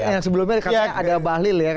yang sebelumnya katanya ada bahlil ya